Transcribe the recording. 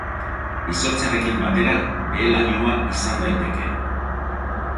Izotzarekin batera behe-lainoa izan daiteke.